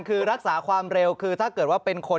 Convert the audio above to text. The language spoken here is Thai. คือรักษาความเร็วคือถ้าเกิดว่าเป็นคน